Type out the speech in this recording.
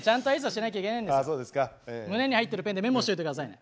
胸に入ってるペンでメモしといてくださいね。